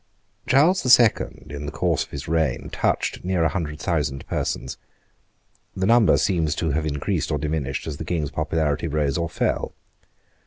Charles the Second, in the course of his reign, touched near a hundred thousand persons. The number seems to have increased or diminished as the king's popularity rose or fell.